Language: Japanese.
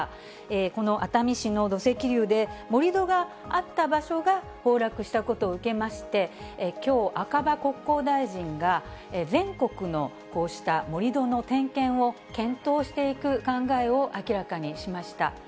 この熱海市の土石流で、盛り土があった場所が崩落したことを受けまして、きょう、赤羽国交大臣が、全国のこうした盛り土の点検を検討していく考えを明らかにしました。